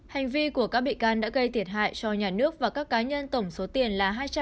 hành vi của các bị can đã gây thiệt hại cho nhà nước và các cá nhân tổng số tiền